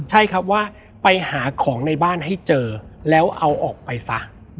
ใช่ครับว่าไปหาของในบ้านให้เจอแล้วเอาออกไปซะ